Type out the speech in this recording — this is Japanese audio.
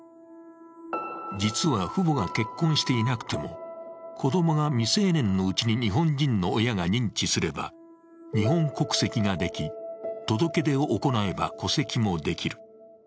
実は、父母が結婚していなくても子供が未成年のうちに日本人の親が認知すれば日本国籍ができ、届け出を行えば、戸籍もできる。